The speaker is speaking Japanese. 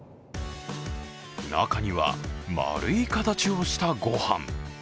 中には丸い形をしたごはん。